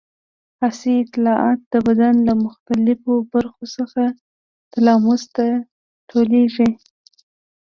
حسي اطلاعات د بدن له مختلفو برخو څخه تلاموس ته ټولېږي.